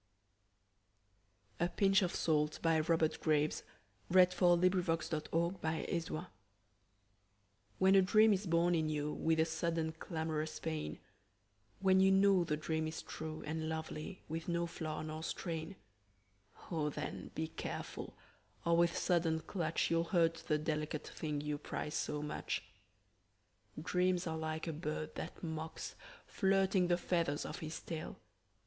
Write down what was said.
A Pinch of Salt WHEN a dream is born in you With a sudden clamorous pain, When you know the dream is true And lovely, with no flaw nor strain, O then, be careful, or with sudden clutch You'll hurt the delicate thing you prize so much. Dreams are like a bird that mocks, Flirting the feathers of his tail.